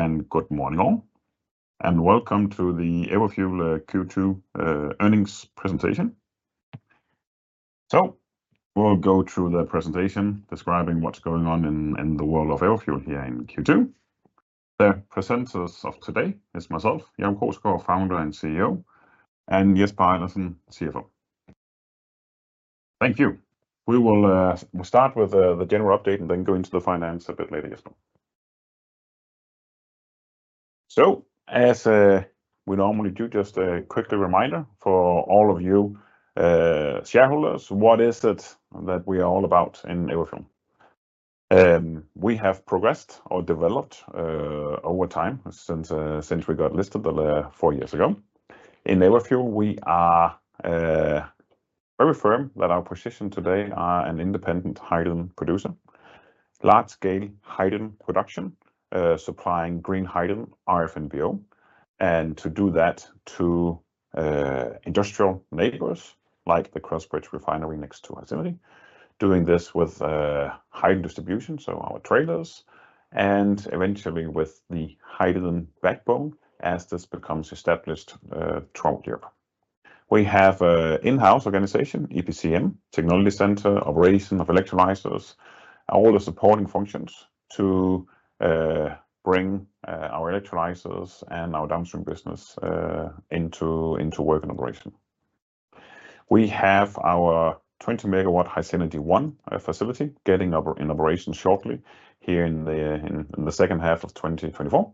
Hello, and good morning all, and welcome to the Everfuel Q2 Earnings Presentation. So we'll go through the presentation describing what's going on in the world of Everfuel here in Q2. The presenters of today is myself, Jacob Krogsgaard, Founder and CEO, and Jesper Ejlersen, CFO. Thank you. We'll start with the general update and then go into the finance a bit later, Jesper. So as we normally do, just a quick reminder for all of you shareholders, what is it that we are all about in Everfuel? We have progressed or developed over time since we got listed four years ago. In Everfuel, we are very firm that our position today are an independent hydrogen producer, large-scale hydrogen production, supplying green hydrogen, RFNBO, and to do that to industrial neighbors, like the Crossbridge Refinery next to HySynergy, doing this with hydrogen distribution, so our trailers, and eventually with the hydrogen backbone, as this becomes established throughout Europe. We have an in-house organization, EPCM, technology center, operation of electrolyzers, all the supporting functions to bring our electrolyzers and our downstream business into work and operation. We have our 20-MW HySynergy 1 facility getting up in operation shortly here in the second half of 2024,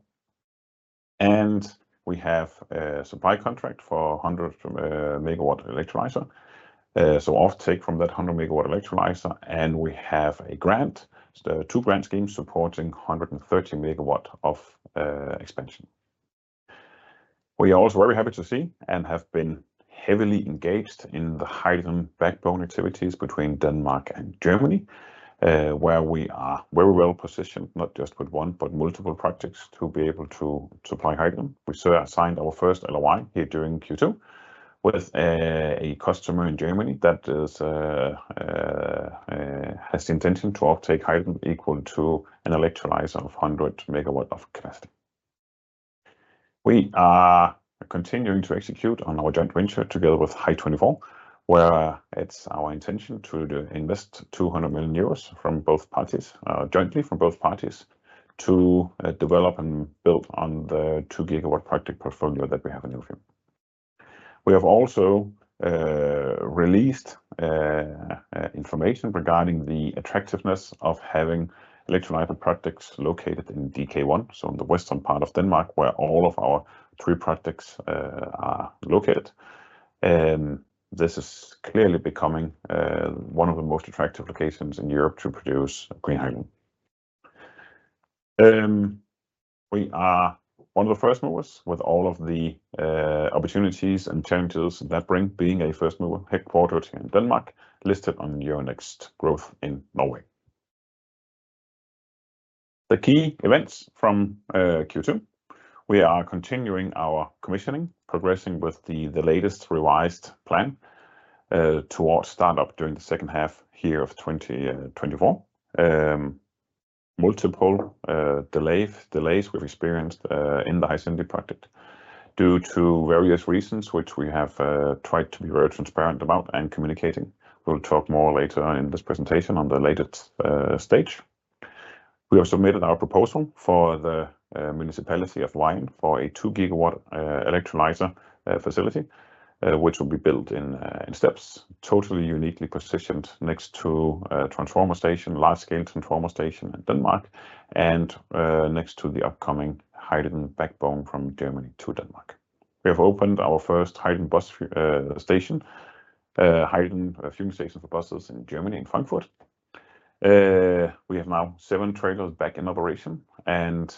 and we have a supply contract for 100-MW electrolyzer. So offtake from that 100-MW electrolyzer, and we have a grant, two grant schemes supporting 130 MWs of expansion. We are also very happy to see and have been heavily engaged in the hydrogen backbone activities between Denmark and Germany, where we are very well positioned, not just with one, but multiple projects to be able to supply hydrogen. We signed our first LOI here during Q2 with a customer in Germany that has the intention to offtake hydrogen equal to an electrolyzer of 100 MWs of capacity. We are continuing to execute on our joint venture together with Hy24, where it's our intention to invest 200 million euros from both parties, jointly from both parties, to develop and build on the 2-gigawatt project portfolio that we have in Everfuel. We have also released information regarding the attractiveness of having electrolyzer projects located in DK1, so on the western part of Denmark, where all of our three projects are located. This is clearly becoming one of the most attractive locations in Europe to produce green hydrogen. We are one of the first movers with all of the opportunities and challenges that bring, being a first mover, headquartered here in Denmark, listed on Euronext Growth in Norway. The key events from Q2. We are continuing our commissioning, progressing with the latest revised plan towards start-up during the second half here of 2024. Multiple delays we've experienced in the HySynergy project due to various reasons, which we have tried to be very transparent about and communicating. We'll talk more later in this presentation on the latest stage. We have submitted our proposal for the Municipality of Vejen for a 2-gigawatt electrolyzer facility, which will be built in steps, totally uniquely positioned next to a transformer station, large-scale transformer station in Denmark, and next to the upcoming hydrogen backbone from Germany to Denmark. We have opened our first hydrogen bus station, hydrogen fueling station for buses in Germany, in Frankfurt. We have now seven trailers back in operation and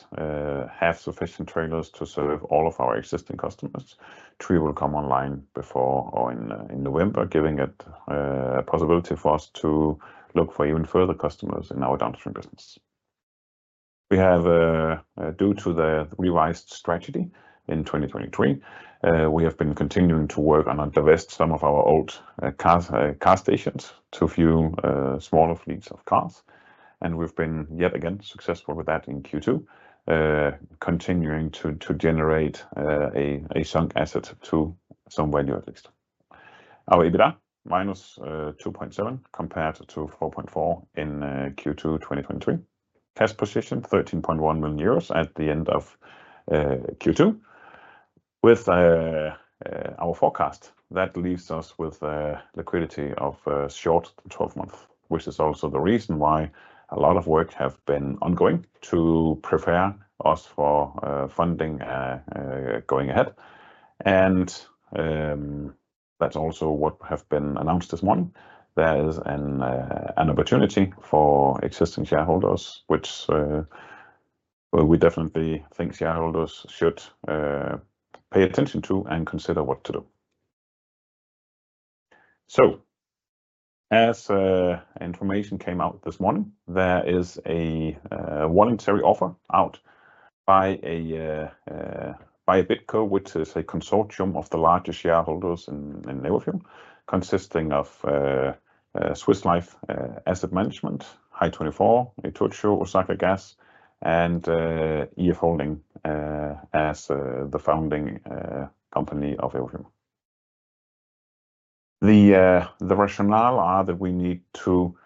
have sufficient trailers to serve all of our existing customers. Three will come online before or in November, giving it a possibility for us to look for even further customers in our downstream business. We have, due to the revised strategy in 2023, we have been continuing to work on divest some of our old, car stations to a few, smaller fleets of cars, and we've been yet again successful with that in Q2, continuing to generate a sunk asset to some value at least. Our EBITDA, -2.7 compared to 4.4 in Q2 2023. Cash position, 13.1 million euros at the end of Q2. With our forecast, that leaves us with a liquidity of short 12 months, which is also the reason why a lot of work have been ongoing to prepare us for funding going ahead. And that's also what have been announced this morning. There is an opportunity for existing shareholders, which, well, we definitely think shareholders should pay attention to and consider what to do. So as information came out this morning, there is a voluntary offer out by a by BidCo, which is a consortium of the largest shareholders in Everfuel, consisting of Swiss Life Asset Management, Hy24, Itochu, Osaka Gas, and EF Holding, as the founding company of Everfuel. The rationale are that we need to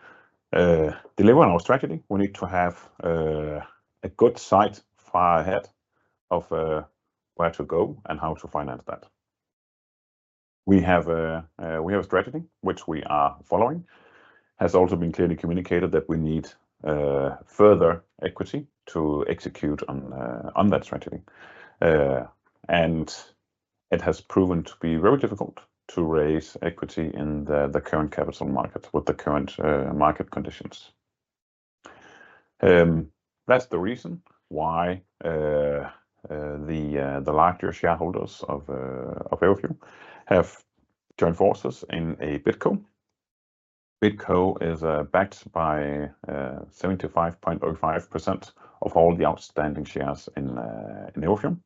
deliver on our strategy. We need to have a good sight far ahead of where to go and how to finance that. We have a strategy which we are following. Has also been clearly communicated that we need further equity to execute on that strategy. And it has proven to be very difficult to raise equity in the current capital markets with the current market conditions. That's the reason why the larger shareholders of Everfuel have joined forces in a BidCo. BidCo is backed by 75.05% of all the outstanding shares in Everfuel,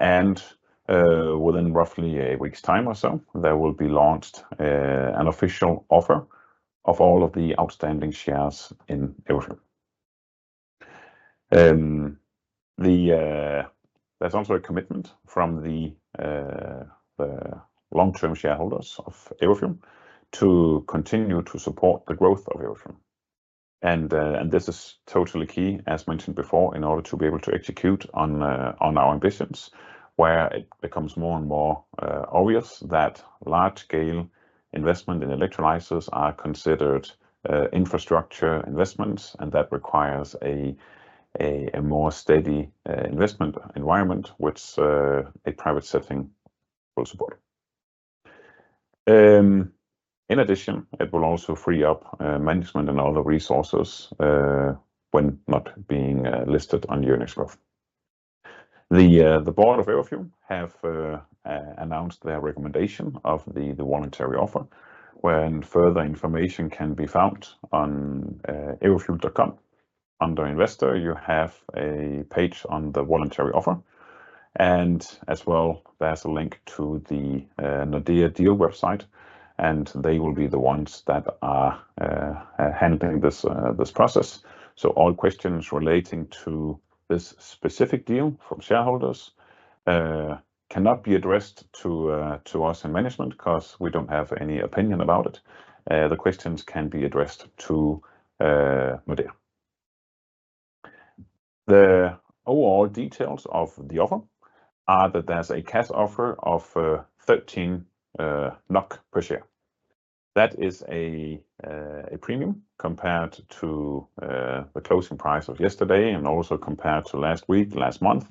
and within roughly a week's time or so, there will be launched an official offer of all of the outstanding shares in Everfuel. There's also a commitment from the long-term shareholders of Everfuel to continue to support the growth of Everfuel, and this is totally key, as mentioned before, in order to be able to execute on our ambitions, where it becomes more and more obvious that large-scale investment in electrolyzers are considered infrastructure investments, and that requires a more steady investment environment, which a private setting will support. In addition, it will also free up management and other resources when not being listed on Euronext Growth. The board of Everfuel have announced their recommendation of the voluntary offer, where further information can be found on everfuel.com. Under Investor, you have a page on the voluntary offer, and as well, there's a link to the Nordea deal website, and they will be the ones that are handling this process. So all questions relating to this specific deal from shareholders cannot be addressed to us in management, 'cause we don't have any opinion about it. The questions can be addressed to Nordea. The overall details of the offer are that there's a cash offer of 13 NOK per share. That is a premium compared to the closing price of yesterday, and also compared to last week, last month,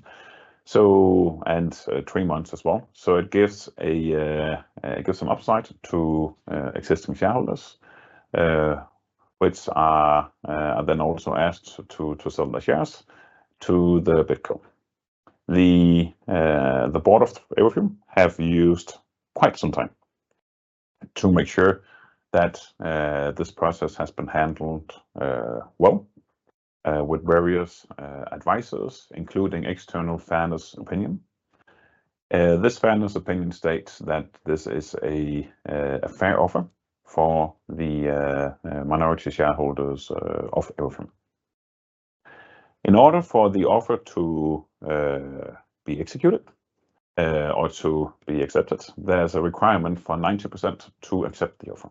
so, and three months as well. So it gives some upside to existing shareholders, which are then also asked to sell their shares to the BidCo. The board of Everfuel have used quite some time to make sure that this process has been handled well with various advisors, including external fairness opinion. This fairness opinion states that this is a fair offer for the minority shareholders of Everfuel. In order for the offer to be executed or to be accepted, there's a requirement for 90% to accept the offer.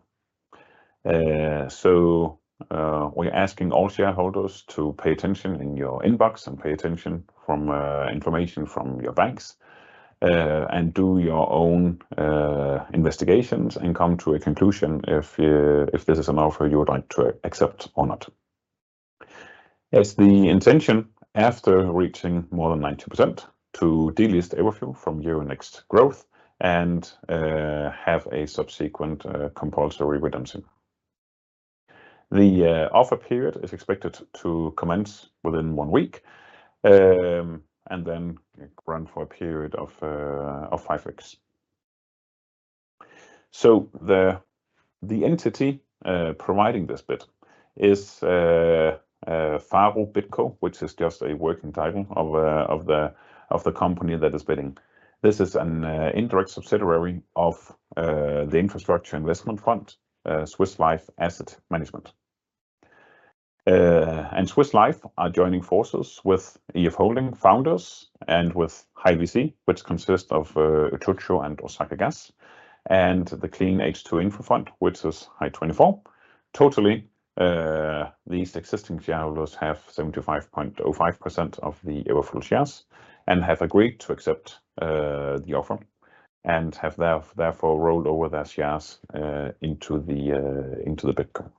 So, we're asking all shareholders to pay attention in your inbox and pay attention from information from your banks and do your own investigations and come to a conclusion if this is an offer you would like to accept or not. It's the intention after reaching more than 90% to delist Everfuel from Euronext Growth and have a subsequent compulsory redemption. The offer period is expected to commence within one week and then run for a period of five weeks. The entity providing this bid is Faro BidCo, which is just a working title of the company that is bidding. This is an indirect subsidiary of the infrastructure investment fund Swiss Life Asset Management. Swiss Life are joining forces with EF Holding founders and with Hy24, which consists of Itochu and Osaka Gas, and the Clean H2 Infra Fund, which is Hy24. Totally, these existing shareholders have 75.05% of the Everfuel shares and have agreed to accept the offer, and have therefore rolled over their shares into the BidCo.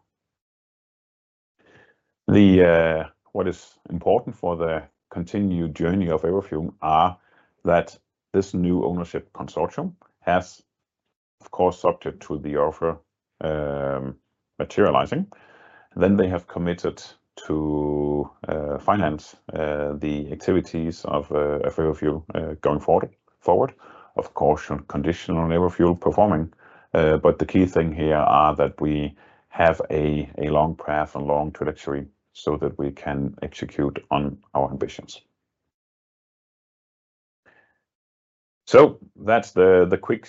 What is important for the continued journey of Everfuel are that this new ownership consortium has, of course, subject to the offer, materializing, then they have committed to finance the activities of Everfuel going forward. Of course, on conditional on Everfuel performing, but the key thing here are that we have a long path and long trajectory so that we can execute on our ambitions. That's the quick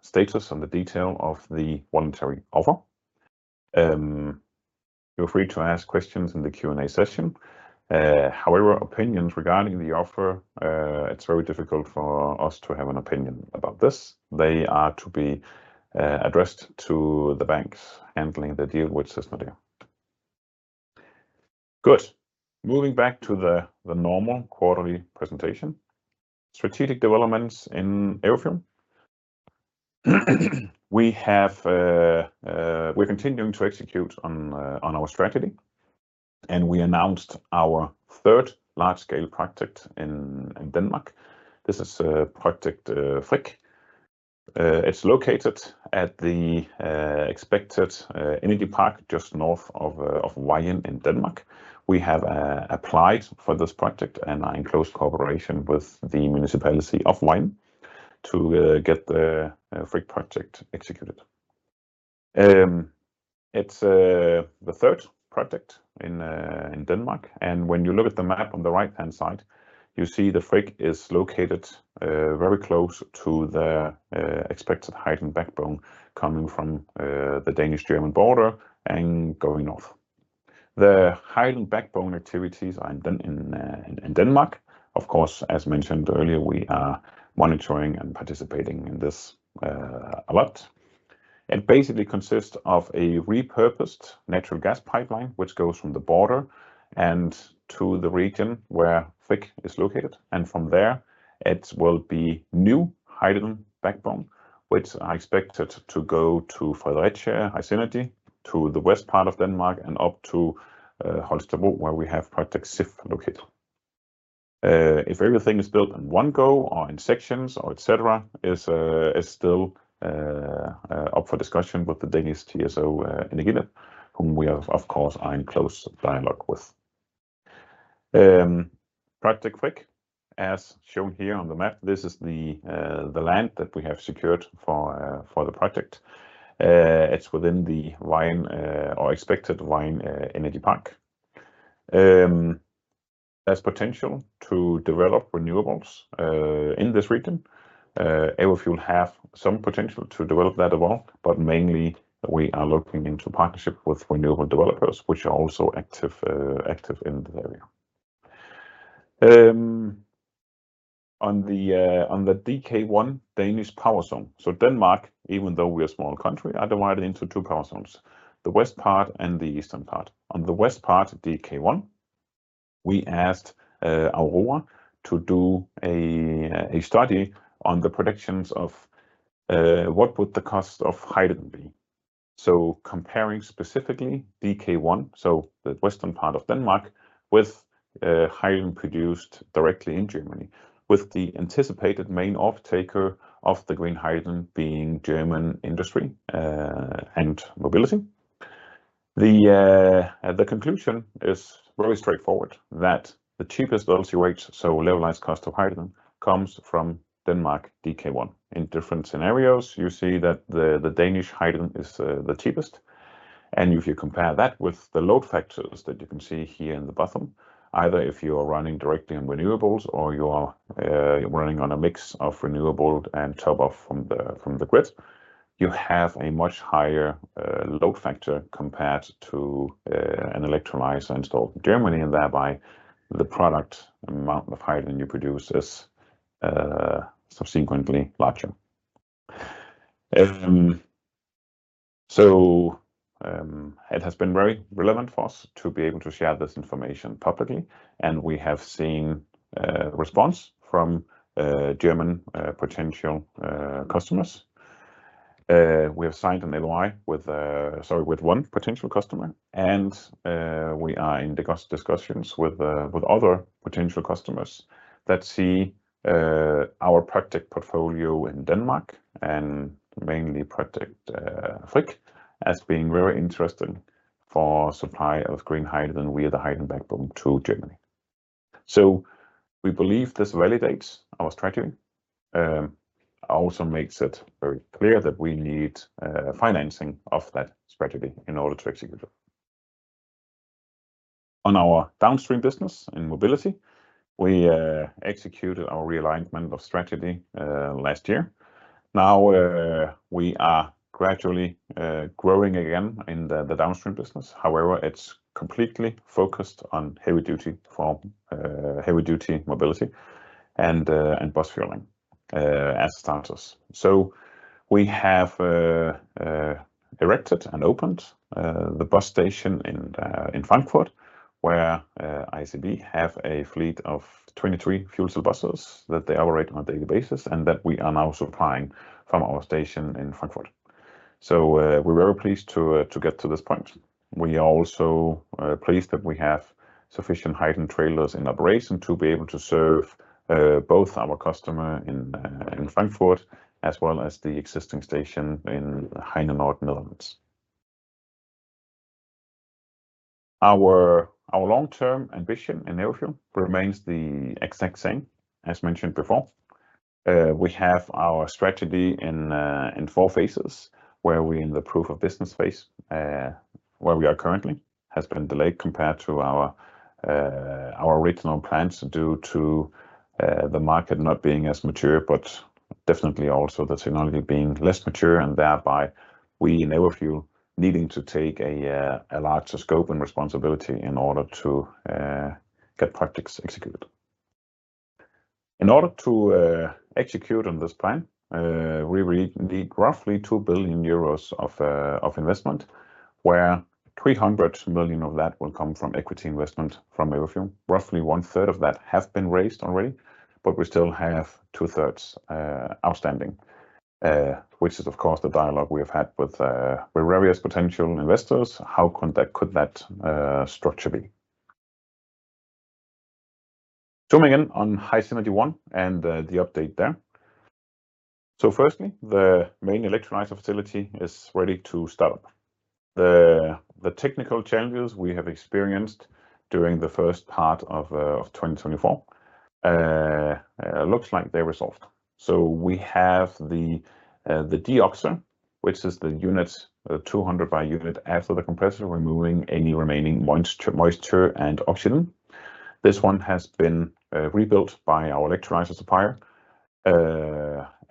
status on the detail of the voluntary offer. Feel free to ask questions in the Q&A session. However, opinions regarding the offer, it's very difficult for us to have an opinion about this. They are to be addressed to the banks handling the deal with Nordea. Good. Moving back to the normal quarterly presentation. Strategic developments in Everfuel. We have, we're continuing to execute on, on our strategy, and we announced our third large-scale project in Denmark. This is Project Frigg. It's located at the expected energy park just north of Vejen in Denmark. We have applied for this project and are in close cooperation with the Municipality of Vejen to get the Frigg project executed. It's the third project in Denmark, and when you look at the map on the right-hand side, you see the Frigg is located very close to the expected hydrogen backbone coming from the Danish-German border and going off. The hydrogen backbone activities are done in Denmark. Of course, as mentioned earlier, we are monitoring and participating in this a lot, and basically consists of a repurposed natural gas pipeline, which goes from the border and to the region where Frigg is located, and from there, it will be new hydrogen backbone, which are expected to go to Fredericia vicinity, to the west part of Denmark, and up to Holstebro, where we have Project Sif located. If everything is built in one go or in sections or et cetera, is still up for discussion with the Danish TSO, Energinet, whom we have, of course, are in close dialogue with. Project Frigg, as shown here on the map, this is the land that we have secured for the project. It's within the Vejen or expected Vejen Energy Park. There's potential to develop renewables in this region. Air Liquide have some potential to develop that as well, but mainly we are looking into partnership with renewable developers, which are also active in the area. On the DK1 Danish power zone, so Denmark, even though we are a small country, are divided into two power zones, the west part and the eastern part. On the west part, DK1, we asked Aurora to do a study on the predictions of what would the cost of hydrogen be. So comparing specifically DK1, so the western part of Denmark, with hydrogen produced directly in Germany, with the anticipated main off-taker of the green hydrogen being German industry and mobility. The conclusion is very straightforward, that the cheapest LCOH, so levelized cost of hydrogen, comes from Denmark, DK1. In different scenarios, you see that the Danish hydrogen is the cheapest, and if you compare that with the load factors that you can see here in the bottom, either if you are running directly on renewables or you are running on a mix of renewable and top off from the grid, you have a much higher load factor compared to an electrolyzer installed in Germany, and thereby, the product amount of hydrogen you produce is subsequently larger, so it has been very relevant for us to be able to share this information publicly, and we have seen response from German potential customers. We have signed an LOI with, sorry, with one potential customer, and we are in discussions with other potential customers that see our project portfolio in Denmark, and mainly Project Frigg, as being very interesting for supply of green hydrogen via the hydrogen backbone to Germany. So we believe this validates our strategy. Also makes it very clear that we need financing of that strategy in order to execute it. On our downstream business in mobility, we executed our realignment of strategy last year. Now we are gradually growing again in the downstream business. However, it's completely focused on heavy duty for heavy duty mobility and bus fueling as starters. So we have erected and opened the bus station in Frankfurt, where ICB have a fleet of 23 fuel cell buses that they operate on a daily basis, and that we are now supplying from our station in Frankfurt. We're very pleased to get to this point. We are also pleased that we have sufficient hydrogen trailers in operation to be able to serve both our customer in Frankfurt, as well as the existing station in Heinenoord, Netherlands. Our long-term ambition in e-fuel remains the exact same, as mentioned before. We have our strategy in four phases, where we're in the proof of business phase. Where we are currently has been delayed compared to our original plans due to the market not being as mature, but definitely also the technology being less mature, and thereby, we enable you needing to take a larger scope and responsibility in order to get projects executed. In order to execute on this plan, we will need roughly 2 billion euros of investment, where 300 million of that will come from equity investment from Everfuel. Roughly one-third of that have been raised already, but we still have two-thirds outstanding, which is, of course, the dialogue we have had with various potential investors. How could that structure be? Zooming in on HySynergy 1 and the update there. So firstly, the main electrolyzer facility is ready to start up. The technical challenges we have experienced during the first part of twenty twenty-four looks like they're resolved. So we have the deoxo, which is the unit, 200 MW unit after the compressor, removing any remaining moisture and oxygen. This one has been rebuilt by our electrolyzer supplier. It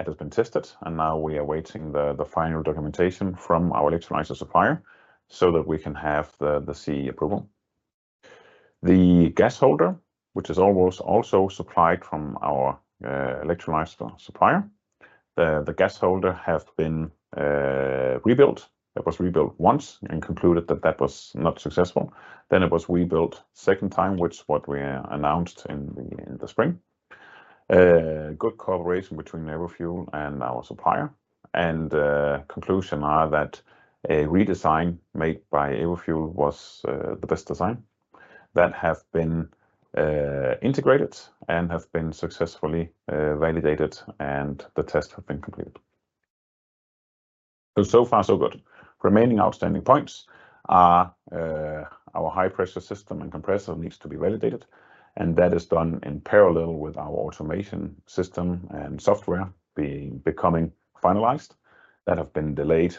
has been tested, and now we are awaiting the final documentation from our electrolyzer supplier so that we can have the CE approval. The gas holder, which is almost also supplied from our electrolyzer supplier, the gas holder have been rebuilt. It was rebuilt once and concluded that that was not successful. Then it was rebuilt second time, which what we announced in the spring. Good collaboration between Everfuel and our supplier, and conclusion are that a redesign made by Everfuel was the best design that have been integrated and have been successfully validated, and the tests have been completed. So, so far, so good. Remaining outstanding points are our high-pressure system and compressor needs to be validated, and that is done in parallel with our automation system and software being becoming finalized, that have been delayed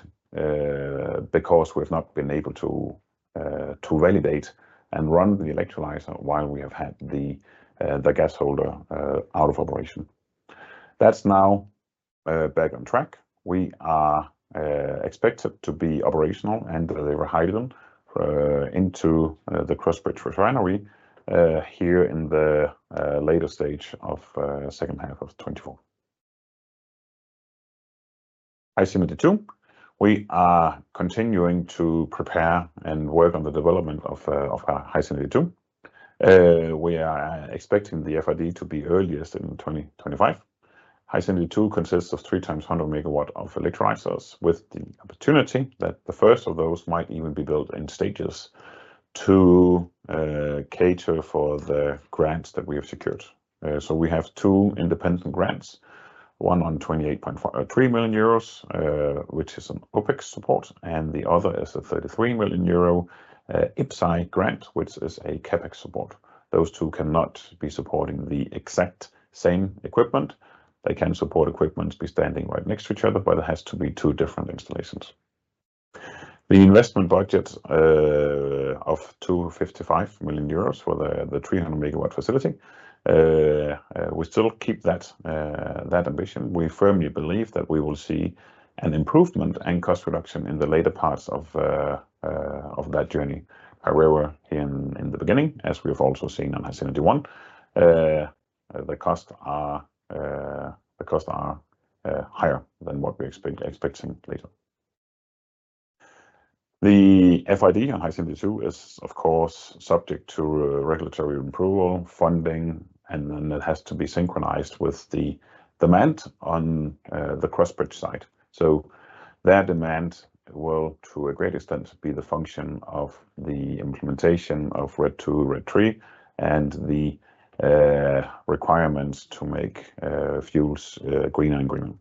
because we've not been able to validate and run the electrolyzer while we have had the gas holder out of operation. That's now back on track. We are expected to be operational, and deliver hydrogen into the Crossbridge Refinery here in the later stage of second half of 2024. HySynergy 2, we are continuing to prepare and work on the development of our HySynergy 2. We are expecting the FID to be earliest in 2025. HySynergy 2 consists of 3x 100 MWs of electrolyzers, with the opportunity that the first of those might even be built in stages to cater for the grants that we have secured. So we have two independent grants, one on 28.43 million euros, which is an OpEx support, and the other is a 33 million euro IPCEI grant, which is a CapEx support. Those two cannot be supporting the exact same equipment. They can support equipment being standing right next to each other, but there has to be two different installations. The investment budget of 255 million euros for the 300-MW facility, we still keep that ambition. We firmly believe that we will see an improvement and cost reduction in the later parts of that journey. However, in the beginning, as we have also seen on HySynergy 1, the costs are higher than what we expect later. The FID on HySynergy 2 is, of course, subject to regulatory approval, funding, and then it has to be synchronized with the demand on the Crossbridge site. So that demand will, to a great extent, be the function of the implementation of RED II, RED III, and the requirements to make fuels greener and greener,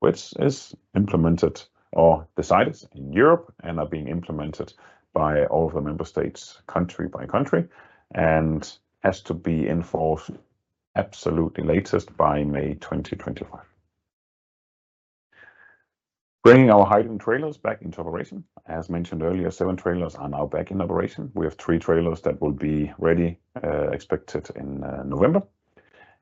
which is implemented or decided in Europe and are being implemented by all the member states, country by country, and has to be enforced absolutely latest by May 2025. Bringing our hydrogen trailers back into operation. As mentioned earlier, seven trailers are now back in operation. We have three trailers that will be ready expected in November,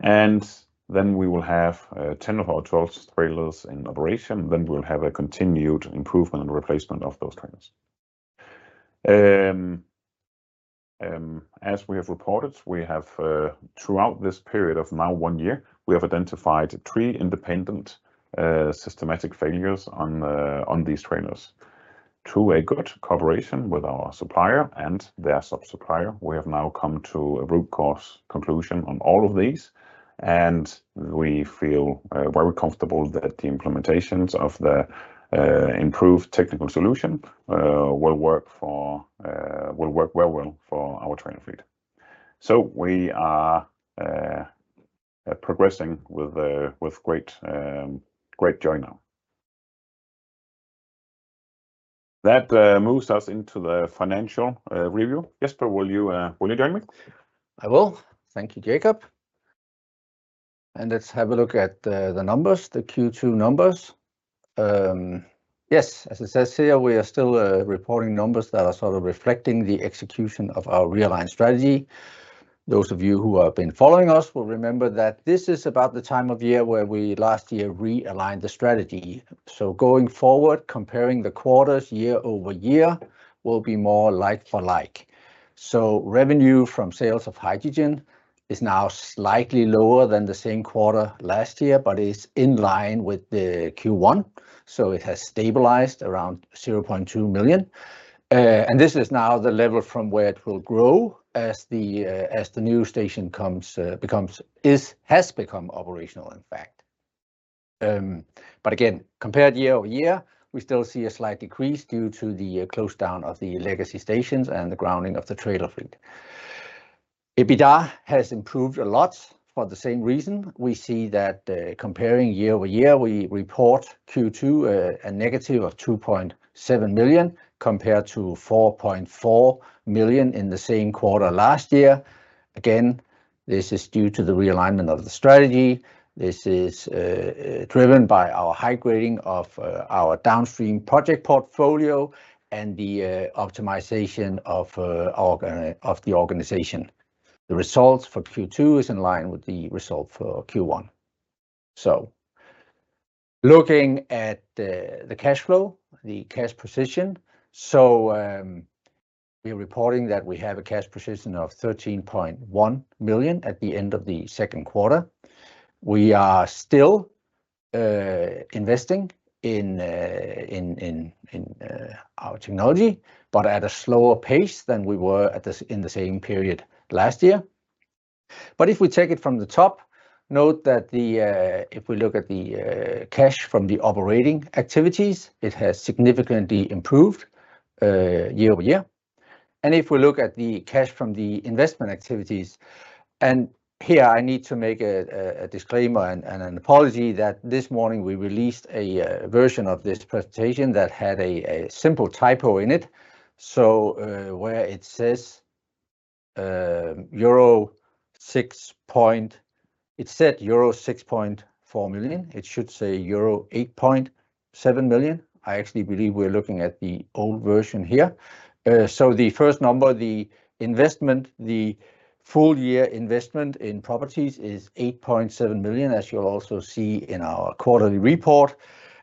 and then we will have ten of our twelve trailers in operation. Then we'll have a continued improvement and replacement of those trailers. As we have reported, we have throughout this period of now one year, we have identified three independent systematic failures on these trailers. Through a good collaboration with our supplier and their sub-supplier, we have now come to a root cause conclusion on all of these, and we feel very comfortable that the implementations of the improved technical solution will work very well for our trailer fleet. So we are progressing with great joy now. That moves us into the financial review. Jesper, will you join me? I will. Thank you, Jacob. And let's have a look at the numbers, the Q2 numbers. Yes, as it says here, we are still reporting numbers that are sort of reflecting the execution of our realigned strategy. Those of you who have been following us will remember that this is about the time of year where we last year realigned the strategy. So going forward, comparing the quarters year over year will be more like for like. So revenue from sales of hydrogen is now slightly lower than the same quarter last year, but is in line with the Q1, so it has stabilized around 0.2 million. And this is now the level from where it will grow as the new station comes, becomes, has become operational, in fact. But again, compared year over year, we still see a slight decrease due to the close down of the legacy stations and the grounding of the trailer fleet. EBITDA has improved a lot for the same reason. We see that, comparing year over year, we report Q2 a negative of 2.7 million, compared to 4.4 million in the same quarter last year. Again, this is due to the realignment of the strategy. This is driven by our high grading of our downstream project portfolio and the optimization of the organization. The results for Q2 is in line with the result for Q1. So looking at the cash flow, the cash position. So, we are reporting that we have a cash position of 13.1 million at the end of the second quarter. We are still investing in our technology, but at a slower pace than we were in the same period last year. But if we take it from the top, note that if we look at the cash from the operating activities, it has significantly improved year over year. And if we look at the cash from the investment activities, and here I need to make a disclaimer and an apology that this morning we released a version of this presentation that had a simple typo in it. So, where it says euro 6.4 million, it said euro 6.4 million, it should say euro 8.7 million. I actually believe we're looking at the old version here. So the first number, the investment, the full year investment in properties is 8.7 million, as you'll also see in our quarterly report,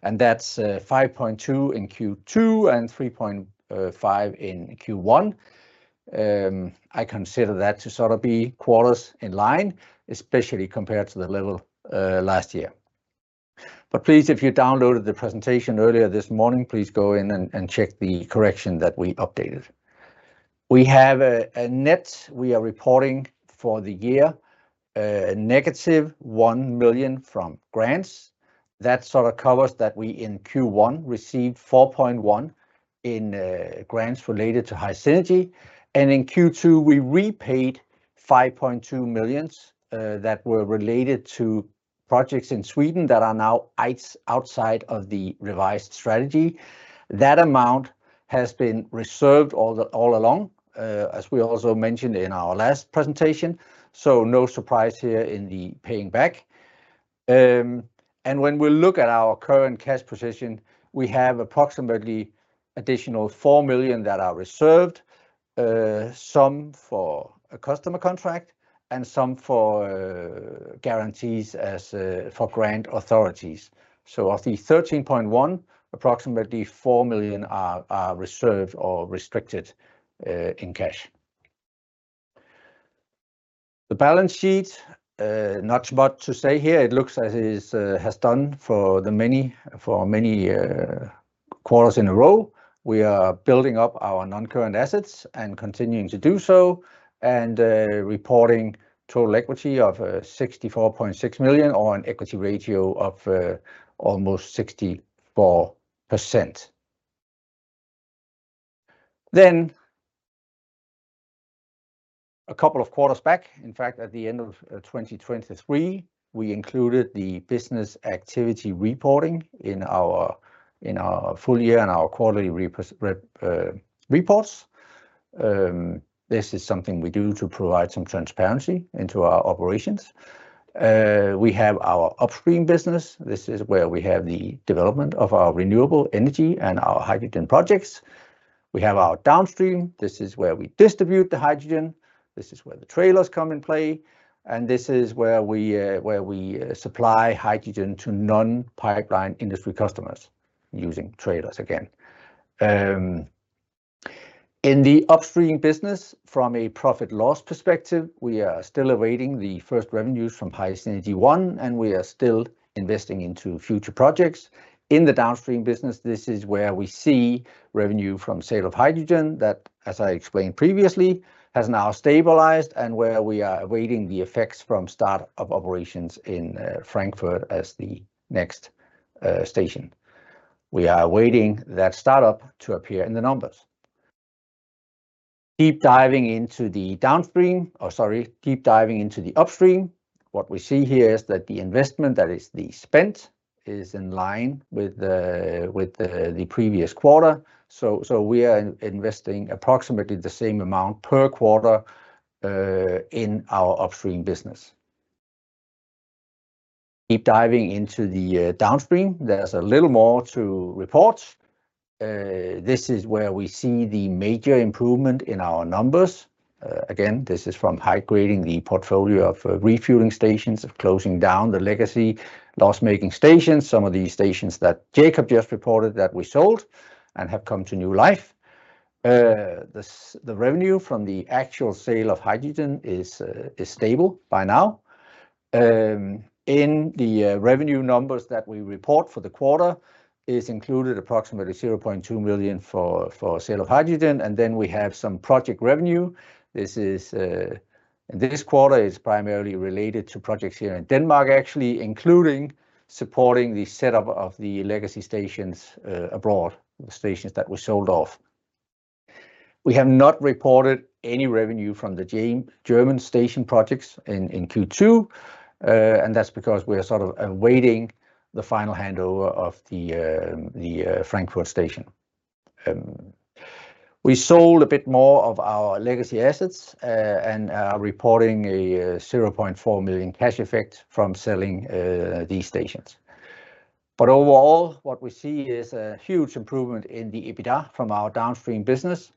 and that's five point two in Q2 and three point five in Q1. I consider that to sort of be quarters in line, especially compared to the level last year. But please, if you downloaded the presentation earlier this morning, please go in and check the correction that we updated. We have a net we are reporting for the year a negative 1 million from grants. That sort of covers that we, in Q1, received 4.1 million in grants related to HySynergy, and in Q2, we repaid 5.2 million that were related to projects in Sweden that are now outside of the revised strategy. That amount has been reserved all along, as we also mentioned in our last presentation, so no surprise here in the paying back. And when we look at our current cash position, we have approximately additional 4 million that are reserved, some for a customer contract and some for guarantees as for grant authorities. So of the 13.1 million, approximately 4 million are reserved or restricted in cash. The balance sheet, not much to say here. It looks as it is, has done for many quarters in a row. We are building up our non-current assets and continuing to do so, and reporting total equity of 64.6 million on equity ratio of almost 64%. Then, a couple of quarters back, in fact, at the end of twenty twenty-three, we included the business activity reporting in our full year and our quarterly reports. This is something we do to provide some transparency into our operations. We have our upstream business. This is where we have the development of our renewable energy and our hydrogen projects. We have our downstream. This is where we distribute the hydrogen, this is where the trailers come in play, and this is where we supply hydrogen to non-pipeline industry customers using trailers again. In the upstream business, from a profit loss perspective, we are still awaiting the first revenues from HySynergy 1, and we are still investing into future projects. In the downstream business, this is where we see revenue from sale of hydrogen that, as I explained previously, has now stabilized and where we are awaiting the effects from start of operations in Frankfurt as the next station. We are awaiting that startup to appear in the numbers. Deep diving into the downstream, or sorry, deep diving into the upstream, what we see here is that the investment, that is the spend, is in line with the previous quarter. So we are investing approximately the same amount per quarter in our upstream business. Keep diving into the downstream, there's a little more to report. This is where we see the major improvement in our numbers. Again, this is from high-grading the portfolio of refueling stations, of closing down the legacy loss-making stations, some of these stations that Jacob just reported that we sold and have come to new life. The revenue from the actual sale of hydrogen is stable by now. In the revenue numbers that we report for the quarter is included approximately 0.2 million for sale of hydrogen, and then we have some project revenue. This is, and this quarter is primarily related to projects here in Denmark, actually, including supporting the setup of the legacy stations abroad, the stations that were sold off. We have not reported any revenue from the German station projects in Q2, and that's because we are sort of awaiting the final handover of the Frankfurt station. We sold a bit more of our legacy assets, and are reporting a 0.4 million cash effect from selling these stations. But overall, what we see is a huge improvement in the EBITDA from our downstream business,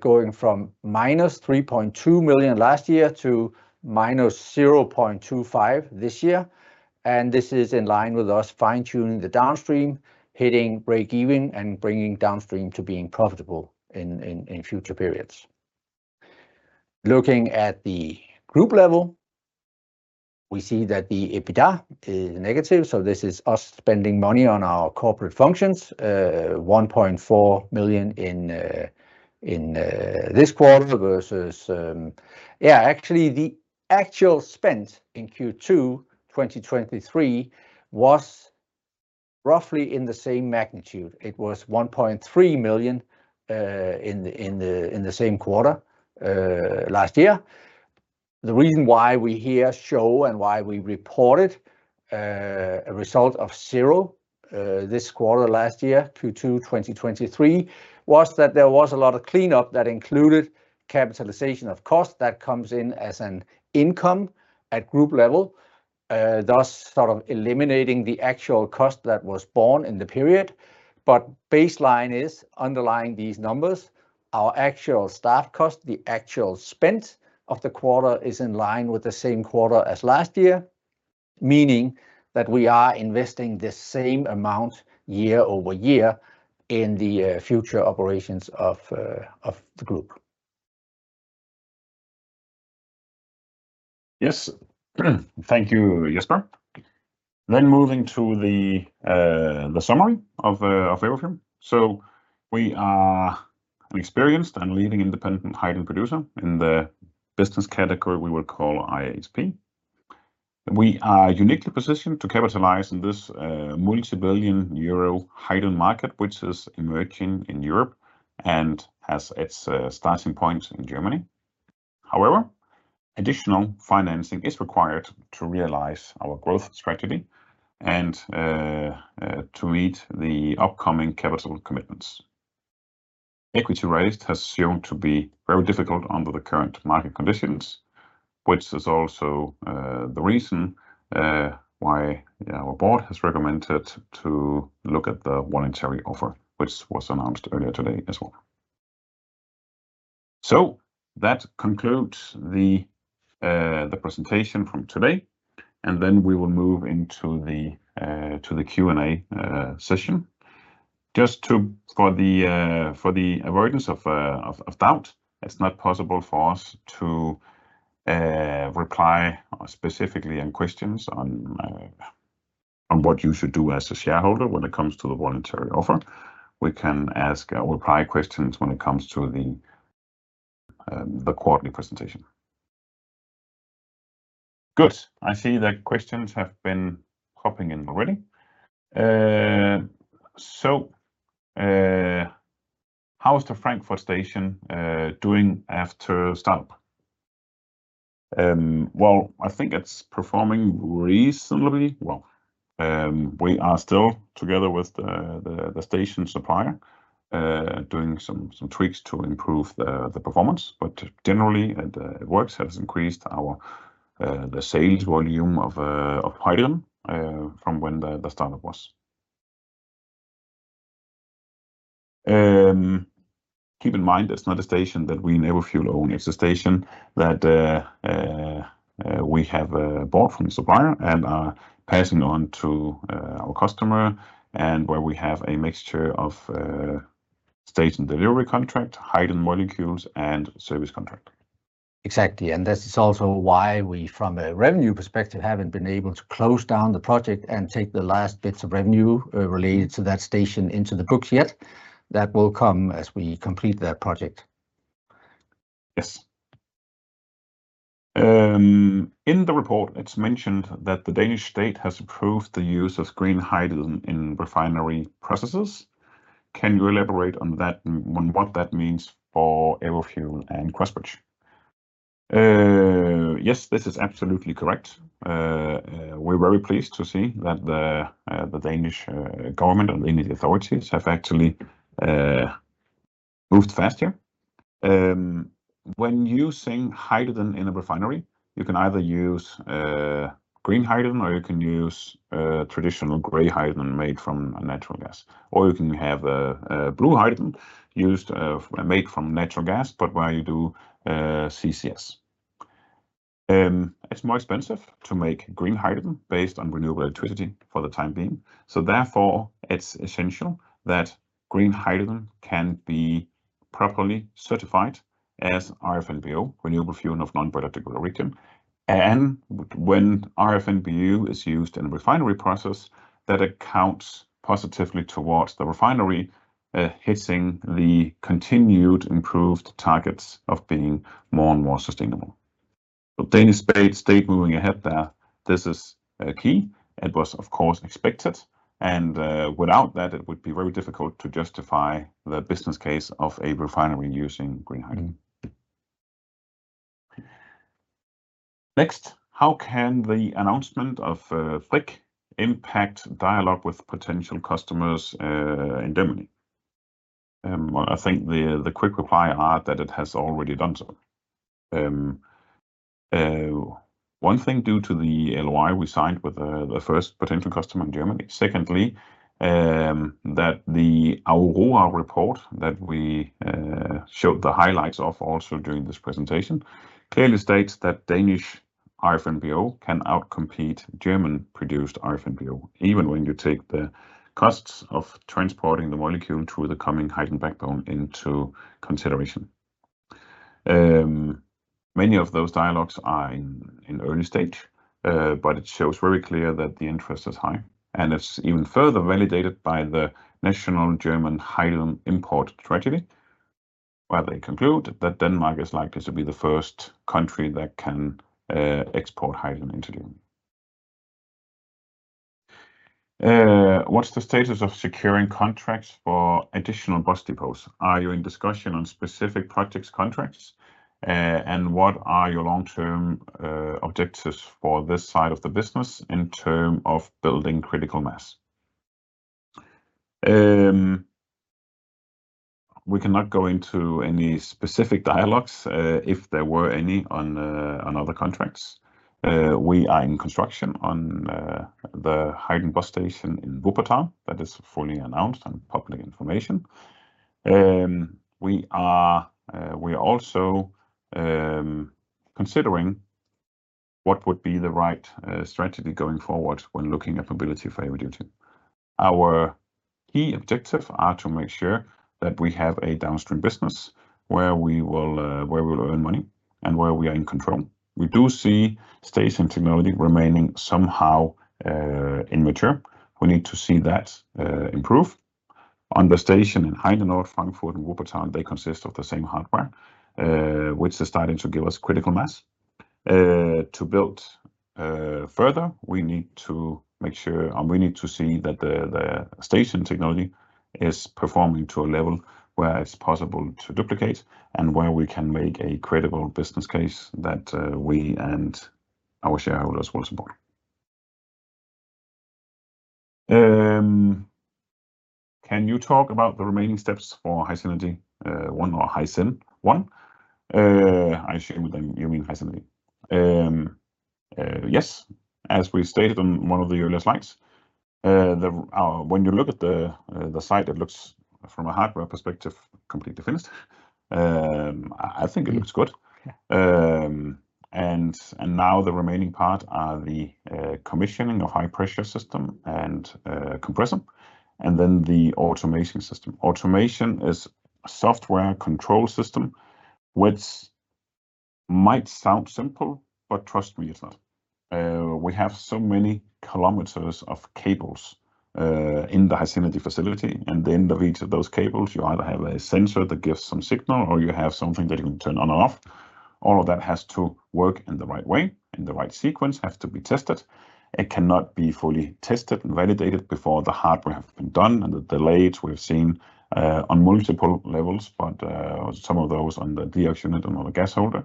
going from -3.2 million last year to -0.25 million this year, and this is in line with us fine-tuning the downstream, hitting break-even, and bringing downstream to being profitable in future periods. Looking at the group level, we see that the EBITDA is negative, so this is us spending money on our corporate functions, 1.4 million in this quarter versus... Yeah, actually, the actual spend in Q2 2023 was roughly in the same magnitude. It was 1.3 million in the same quarter last year. The reason why we here show and why we reported a result of zero this quarter last year, Q2 2023, was that there was a lot of cleanup that included capitalization of cost that comes in as an income at group level, thus sort of eliminating the actual cost that was borne in the period. But baseline is underlying these numbers. Our actual staff cost, the actual spend of the quarter, is in line with the same quarter as last year, meaning that we are investing the same amount year over year in the future operations of the group. Yes. Thank you, Jesper. Then moving to the summary of Everfuel. So we are an experienced and leading independent hydrogen producer in the business category we will call IHP. We are uniquely positioned to capitalize on this multi-billion-euro hydrogen market, which is emerging in Europe and has its starting point in Germany. However, additional financing is required to realize our growth strategy and to meet the upcoming capital commitments. Equity raised has shown to be very difficult under the current market conditions, which is also the reason why, yeah, our board has recommended to look at the voluntary offer, which was announced earlier today as well. So that concludes the presentation from today, and then we will move into the Q&A session. Just to, for the avoidance of doubt, it's not possible for us to reply specifically on questions on what you should do as a shareholder when it comes to the voluntary offer. We can ask, we'll reply questions when it comes to the quarterly presentation. Good. I see that questions have been popping in already. So, how is the Frankfurt station doing after start-up? Well, I think it's performing reasonably well. We are still, together with the station supplier, doing some tweaks to improve the performance, but generally, it works. It has increased our the sales volume of hydrogen from when the start-up was. Keep in mind, it's not a station that we own and fuel. It's a station that we have bought from the supplier and are passing on to our customer, and where we have a mixture of station delivery contract, hydrogen molecules, and service contract. Exactly, and this is also why we, from a revenue perspective, haven't been able to close down the project and take the last bits of revenue, related to that station into the books yet. That will come as we complete that project. Yes. In the report, it's mentioned that the Danish state has approved the use of green hydrogen in refinery processes. Can you elaborate on that, on what that means for Everfuel and Crossbridge? Yes, this is absolutely correct. We're very pleased to see that the Danish government and the Danish authorities have actually moved faster. When using hydrogen in a refinery, you can either use green hydrogen, or you can use traditional gray hydrogen made from natural gas, or you can have a blue hydrogen used made from natural gas, but where you do CCS. It's more expensive to make green hydrogen based on renewable electricity for the time being, so therefore, it's essential that green hydrogen can be properly certified as RFNBO, Renewable Fuel of Non-Biological Origin. And when RFNBO is used in a refinery process, that accounts positively towards the refinery hitting the continued improved targets of being more and more sustainable. So Danish state moving ahead there, this is key. It was, of course, expected, and without that, it would be very difficult to justify the business case of a refinery using green hydrogen. Next, how can the announcement of FLIC impact dialogue with potential customers in Germany? Well, I think the quick reply are that it has already done so. One thing, due to the LOI we signed with the first potential customer in Germany. Secondly, that the Aurora report that we showed the highlights of also during this presentation clearly states that Danish RFNBO can outcompete German-produced RFNBO, even when you take the costs of transporting the molecule through the coming hydrogen backbone into consideration. Many of those dialogues are in early stage, but it shows very clear that the interest is high, and it's even further validated by the national German hydrogen import strategy, where they conclude that Denmark is likely to be the first country that can export hydrogen into Germany. What's the status of securing contracts for additional bus depots? Are you in discussion on specific projects, contracts, and what are your long-term objectives for this side of the business in terms of building critical mass? We cannot go into any specific dialogues, if there were any, on other contracts. We are in construction on the hydrogen bus station in Wuppertal. That is fully announced and public information. We are also considering what would be the right strategy going forward when looking at mobility for heavy-duty. Our key objective are to make sure that we have a downstream business where we will earn money and where we are in control. We do see station technology remaining somehow immature. We need to see that improve. On the station in Heinenoord, Frankfurt, and Wuppertal, they consist of the same hardware, which is starting to give us critical mass. To build further, we need to make sure, and we need to see that the station technology is performing to a level where it's possible to duplicate and where we can make a credible business case that we and our shareholders will support. Can you talk about the remaining steps for HySynergy 1 or HySyn 1? I assume that you mean HySynergy. Yes. As we stated on one of the earlier slides, the... When you look at the site, it looks from a hardware perspective completely finished. I think it looks good. Yeah. And now the remaining part are the commissioning of high pressure system and compressor, and then the automation system. Automation is a software control system, which might sound simple, but trust me, it's not. We have so many kilometers of cables in the HySynergy facility, and the end of each of those cables, you either have a sensor that gives some signal, or you have something that you can turn on and off. All of that has to work in the right way, in the right sequence, has to be tested. It cannot be fully tested and validated before the hardware have been done, and the delays we've seen on multiple levels, but some of those on the deoxygenator or the gas holder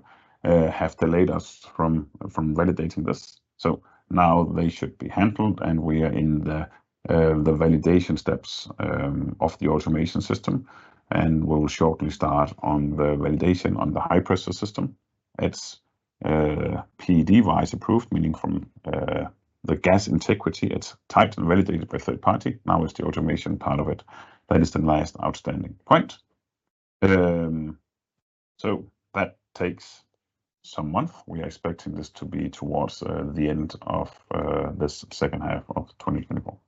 have delayed us from validating this. So now they should be handled, and we are in the validation steps of the automation system, and we will shortly start on the validation on the high-pressure system. It's PED-wise approved, meaning from the gas integrity, it's tight and validated by third party. Now, it's the automation part of it. That is the last outstanding point. So that takes some month. We are expecting this to be towards the end of this second half of 2024.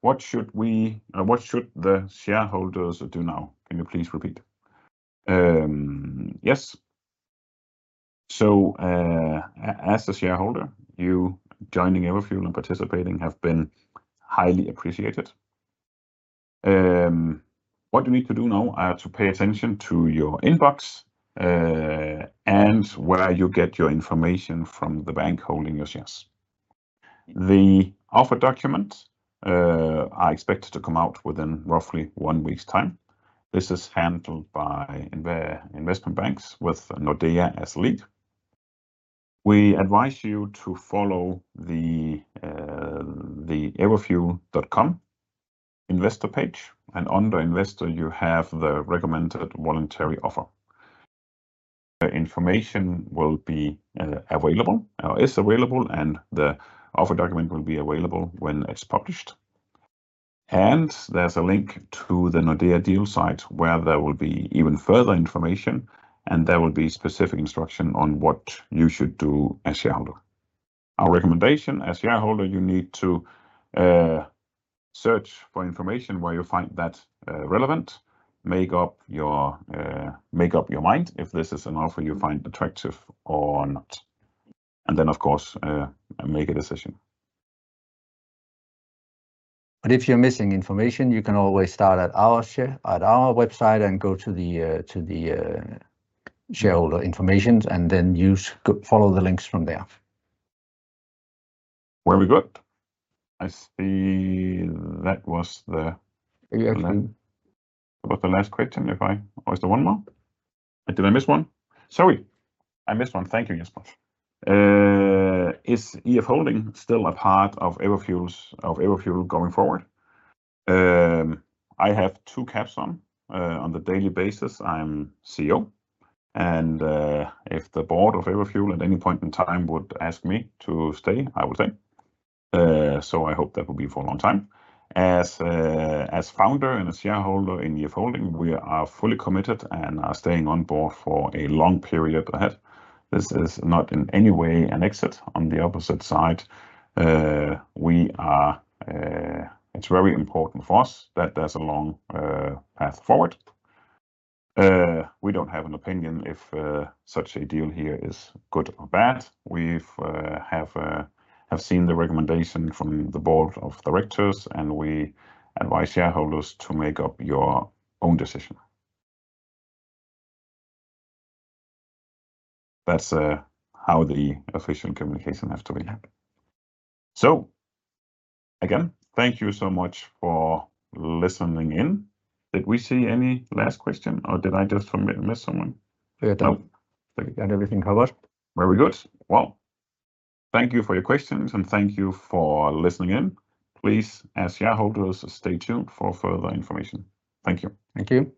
What should the shareholders do now? Can you please repeat? Yes. So, as a shareholder, you joining Everfuel and participating have been highly appreciated. What you need to do now are to pay attention to your inbox, and where you get your information from the bank holding your shares. The offer document are expected to come out within roughly one week's time. This is handled by investment banks, with Nordea as lead. We advise you to follow the Everfuel.com investor page, and under investor, you have the recommended voluntary offer. The information will be available, or is available, and the offer document will be available when it's published. And there's a link to the Nordea deal site, where there will be even further information, and there will be specific instruction on what you should do as shareholder. Our recommendation, as shareholder, you need to search for information where you find that relevant. Make up your mind if this is an offer you find attractive or not, and then, of course, make a decision. But if you're missing information, you can always start at our website and go to the shareholder information, and then you follow the links from there. Very good. I see that was the- Yeah. That was the last question, if I... Or is there one more? Did I miss one? Sorry, I missed one. Thank you Jesper. Is EF Holding still a part of Everfuel, of Everfuel going forward? I have two hats on. On a daily basis, I'm CEO, and if the board of Everfuel, at any point in time, would ask me to stay, I would say. So I hope that will be for a long time. As founder and a shareholder in EF Holding, we are fully committed and are staying on board for a long period ahead. This is not, in any way, an exit. On the opposite side, we are. It's very important for us that there's a long path forward. We don't have an opinion if such a deal here is good or bad. We have seen the recommendation from the board of directors, and we advise shareholders to make up your own decision. That's how the official communication has to be handled. So again, thank you so much for listening in. Did we see any last question, or did I just miss someone? We are done. Think we got everything covered. Very good. Well, thank you for your questions, and thank you for listening in. Please, as shareholders, stay tuned for further information. Thank you. Thank you.